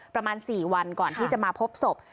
ประมาณ๔วันก่อนที่จะมาพบศพ